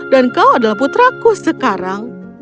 dan kau adalah putraku sekarang